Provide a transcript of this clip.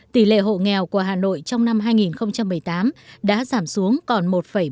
tỷ lệ hộ nghèo của hà nội trong năm hai nghìn một mươi tám đã giảm xuống còn một ba mươi